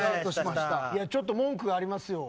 ちょっと文句ありますよ。